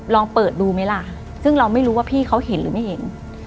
ลองเปิดดูไหมล่ะซึ่งเราไม่รู้ว่าพี่เขาเห็นหรือไม่เห็น